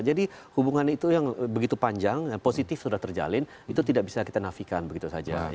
jadi hubungan itu yang begitu panjang yang positif sudah terjalin itu tidak bisa kita nafikan begitu saja ya